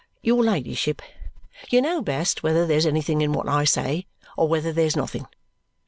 "Your ladyship, you know best whether there's anything in what I say or whether there's nothing.